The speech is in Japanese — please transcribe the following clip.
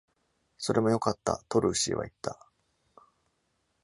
「それもよかった」とルーシーは言った。